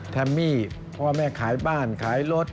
แฮมมี่พ่อแม่ขายบ้านขายรถ